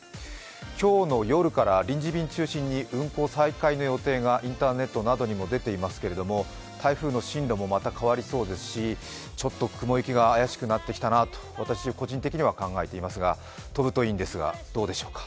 今日の夜から臨時便を中心に運航再開の予定がインターネットなどにも出ていますけれども、台風の進路もまた変わりそうですしちょっと雲行きが怪しくなってきたなと私個人的には考えていますが、飛ぶといいんですがどうでしょうか。